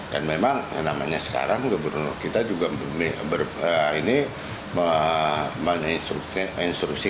dan memang namanya sekarang kita juga ini